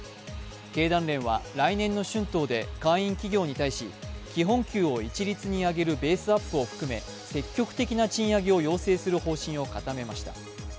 経団連は、来年の春闘で会員企業に対し基本給を一律に上げるベースアップを含め積極的な賃上げを要請する方針を固めました。